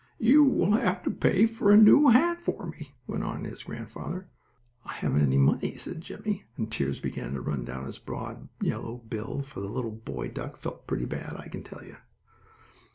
"You will have to pay for a new hat for me," went on his grandfather. "I haven't any money," said Jimmie, and tears began to run down his broad, yellow bill, for the little boy duck felt pretty bad, I can tell you.